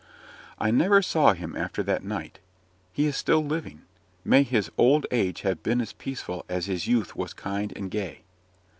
I never saw him after that night. He is still living may his old age have been as peaceful as his youth was kind and gay!